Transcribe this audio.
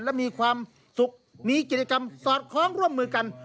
และมีความสุขมีกิจกรรมสอดคล้องร่วมมือกัน